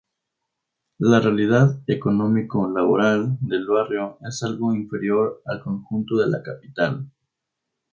La realidad económico-laboral del barrio es algo inferior al conjunto de la capital.